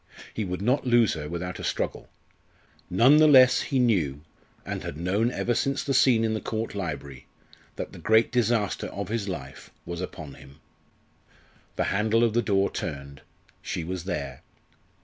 He would not lose her without a struggle. None the less he knew, and had known ever since the scene in the Court library, that the great disaster of his life was upon him. The handle of the door turned. She was there.